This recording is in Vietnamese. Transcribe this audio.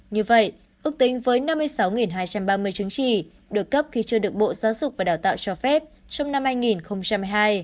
như vậy ước tính với năm mươi sáu hai trăm ba mươi chứng chỉ được cấp khi chưa được bộ giáo dục và đào tạo cho phép trong năm hai nghìn hai mươi hai